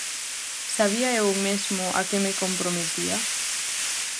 Sabía eu mesmo a que me comprometía?